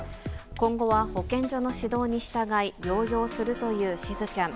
今後は保健所の指導に従い、療養するというしずちゃん。